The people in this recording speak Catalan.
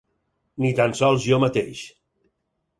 Ni tan sols jo mateix.